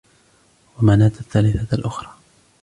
ومناة الثالثة الأخرى